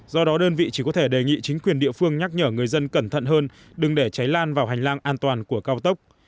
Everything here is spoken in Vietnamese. do đó đơn vị chỉ có thể đề nghị chính quyền địa phương nhắc nhở người dân cẩn thận hơn đừng để cháy lan vào hành lang an toàn của cao tốc